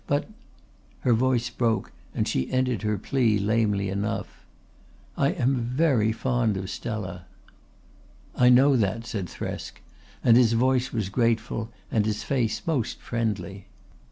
But " Her voice broke and she ended her plea lamely enough: "I am very fond of Stella." "I know that," said Thresk, and his voice was grateful and his face most friendly.